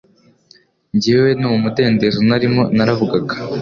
Jyewe mu mudendezo narimo naravugaga